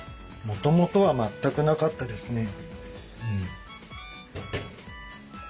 もともとは全くなかったですね。